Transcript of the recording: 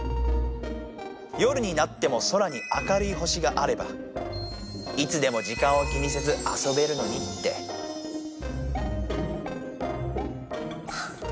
夜になっても空に明るい星があればいつでも時間を気にせずあそべるのにってあっ！